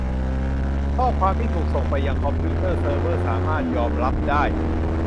ข้อความที่ถูกส่งไปยังคอมพิวเตอร์เซิร์ฟเวอร์สามารถยอมรับได้